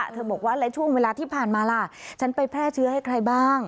บอกว่าและช่วงเวลาที่ผ่านมาล่ะฉันไปแพร่เชื้อให้ใครบ้าง